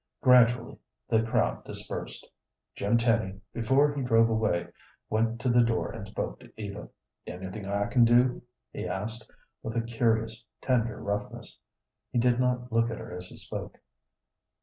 Gradually the crowd dispersed. Jim Tenny, before he drove away, went to the door and spoke to Eva. "Anything I can do?" he asked, with a curious, tender roughness. He did not look at her as he spoke.